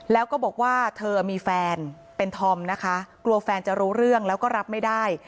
แล้วก็บอกว่าเธอมีแฟนเป็นธอมนะคะกลัวแฟนจะรู้เรื่องแล้วก็รับไม่ได้